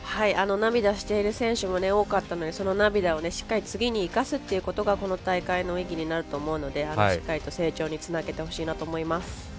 涙してる選手も多かったので、その涙をしっかり次に生かすっていうことがこの大会の意義になると思うのでしっかりと成長につなげてほしいなと思います。